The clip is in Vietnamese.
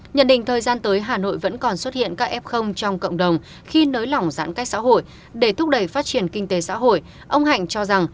nhận định thời gian tới hà nội vẫn còn xuất hiện các f trong cộng đồng khi nới lỏng giãn cách xã hội để thúc đẩy phát triển kinh tế xã hội